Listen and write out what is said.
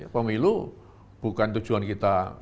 pemilu bukan tujuan kita